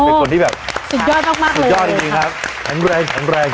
เป็นคนที่แบบสุดยอดมากมากเลยครับ